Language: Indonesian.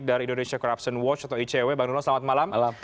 dan besoin juga ya adalah